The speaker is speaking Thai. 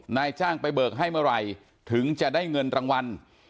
นายจ้างไปเบิกให้เมื่อไหร่ถึงจะได้เงินรางวัล